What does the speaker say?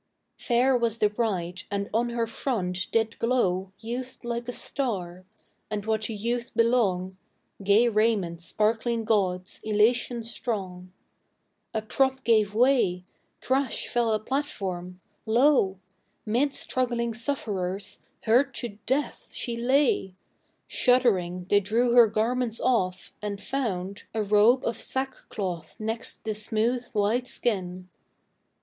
Fair was the bride, and on her front did glow Youth like a star; and what to youth belong, Gay raiment sparkling gauds, elation strong. A prop gave way! crash fell a platform! Lo, Mid struggling sufferers, hurt to death, she lay! Shuddering, they drew her garments off and found A robe of sackcloth next the smooth, white skin.